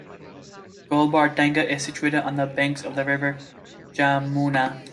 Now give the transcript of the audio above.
Gobardanga is situated on the banks of the river Jamuna.